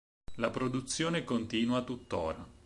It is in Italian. La produzione continua tuttora.